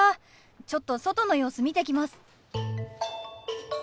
ちょっと外の様子見てきます。